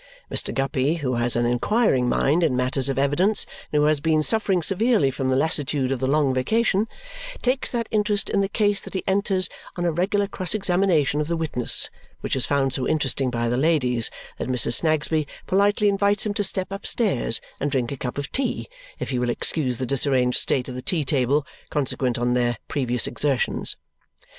Mr. Guppy, who has an inquiring mind in matters of evidence and who has been suffering severely from the lassitude of the long vacation, takes that interest in the case that he enters on a regular cross examination of the witness, which is found so interesting by the ladies that Mrs. Snagsby politely invites him to step upstairs and drink a cup of tea, if he will excuse the disarranged state of the tea table, consequent on their previous exertions.